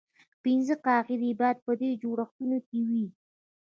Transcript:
پنځه قاعدې باید په دې جوړښتونو کې وي.